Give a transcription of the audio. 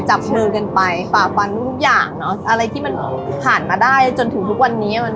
จับเชิงกันไปฝ่าฟันทุกอย่างเนอะอะไรที่มันผ่านมาได้จนถึงทุกวันนี้